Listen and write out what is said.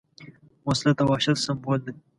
وسله د وحشت سمبول ده